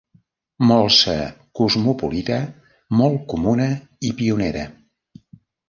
Molsa cosmopolita molt comuna i pionera.